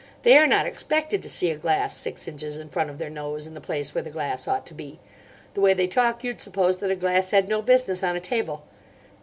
They are not expected to see a glass six inches in front of their nose, in the place where the glass ought to be. The way they talk you'd suppose that a glass had no business on a table.